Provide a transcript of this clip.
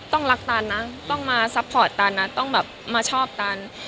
ต้องรักตันนะต้องมาซัพพอร์ตตันนะต้องแบบมาชอบตัน